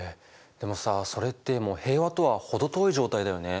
でもさそれってもう平和とは程遠い状態だよね。